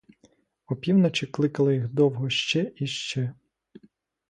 Опівночі кликала їх довго ще і ще.